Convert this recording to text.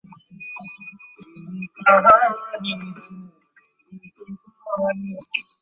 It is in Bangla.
তোকে দেখে মনে হচ্ছে তুই এখনি টয়লেট করে দিবি।